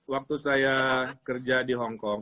waktu saya kerja di hong kong